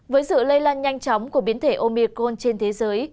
với sự lây lan nhanh chóng của biến thể omircon trên thế giới